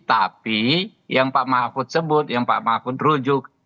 tapi yang pak mahfud sebut yang pak mahfud rujuk